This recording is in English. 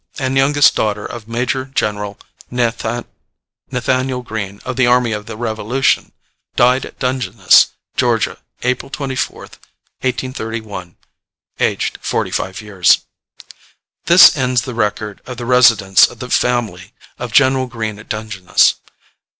and youngest daughter of Major General Nathaniel Greene of the Army of the Revolution. Died at Dungeness, Georgia, April 24th, 1831, aged 45 years." This ends the record of the residence of the family of General Greene at Dungeness.